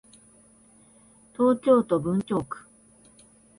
東京都文京区